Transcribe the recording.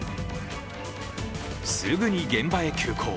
すぐに現場へ急行。